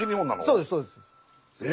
そうですそうです。え！？